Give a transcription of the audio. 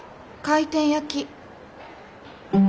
回転焼き。